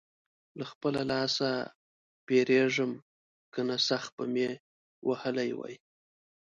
له خپله لاسه وېرېږم؛ که نه سخت به مې وهلی وې.